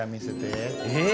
え！